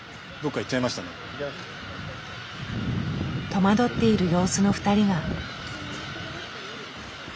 戸惑っている様子の２人が。